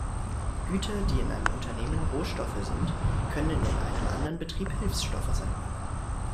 Güter, die in einem Unternehmen Rohstoffe sind, können in einem anderen Betrieb Hilfsstoffe sein.